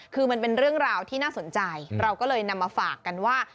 คือมันเป็นเรื่องราวที่น่าสนใจเราก็เลยนำมาฝากกันว่า